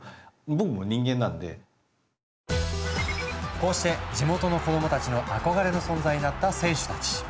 こうして地元の子どもたちの憧れの存在になった選手たち。